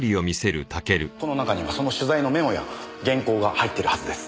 この中にはその取材のメモや原稿が入っているはずです。